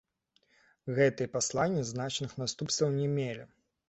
Гэтыя паслання значных наступстваў не мелі.